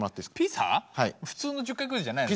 普通の１０回クイズじゃないの？